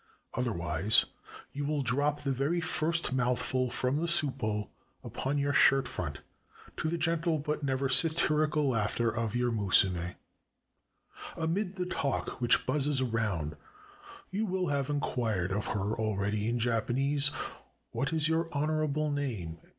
Otherwise you 393 JAPAN will drop the very first mouthful from the soup bowl upon your shirt front, to the gentle but never satirical laughter of your musume. Amid the talk which buzzes around, you will have inquired of her already in Japan ese, ''What is your honorable name?"